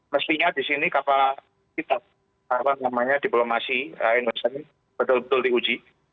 mestinya di sini kapal kita apa namanya diplomasi indonesia ini betul betul diuji